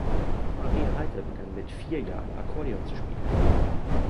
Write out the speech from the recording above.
Maria Reiter begann mit vier Jahren Akkordeon zu spielen.